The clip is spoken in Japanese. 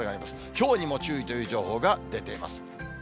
ひょうにも注意という情報が出ています。